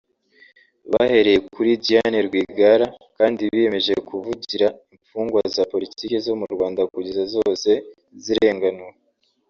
Bahereye kuri Diane Rwigara kandi biyemeje kuvugira imfungwa za politike zo mu Rwanda kugeza zose zirenganuwe